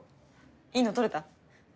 いいの撮れた？